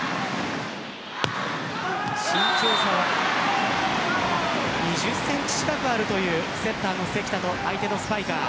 身長差は２０センチ近くあるセッターの関田と相手のスパイカー。